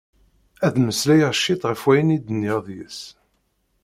Ad mmeslayeɣ cit ɣef wayen i d-nniɣ deg-s.